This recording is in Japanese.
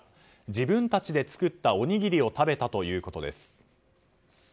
自分たちで作ったおにぎりを食べたということです。